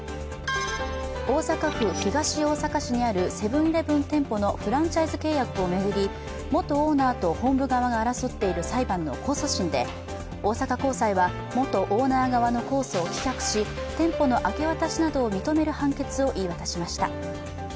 大阪府東大阪市にあるセブン−イレブン店舗のフランチャイズ契約を巡り、元オーナーと本部側が争っている裁判の控訴審で大阪高裁は元オーナー側の控訴を棄却し店舗の明け渡しなどを認める判決を言い渡しました。